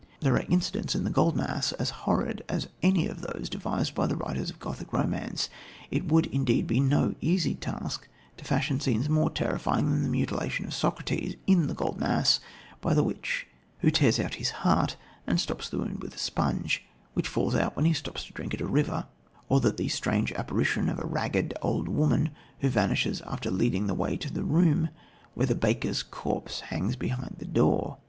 There are incidents in The Golden Ass as "horrid" as any of those devised by the writers of Gothic romance. It would, indeed, be no easy task to fashion scenes more terrifying than the mutilation of Socrates in The Golden Ass, by the witch, who tears out his heart and stops the wound with a sponge which falls out when he stoops to drink at a river, or than the strange apparition of a ragged, old woman who vanishes after leading the way to the room, where the baker's corpse hangs behind the door.